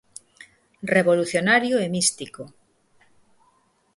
Revolucionario e místico.